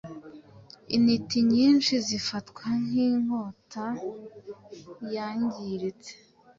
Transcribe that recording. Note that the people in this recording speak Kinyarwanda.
intiti nyinshi zifatwa nkinkota yangiritse